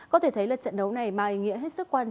có thể thấy là trận đấu này mang ý nghĩa hết sức quan trọng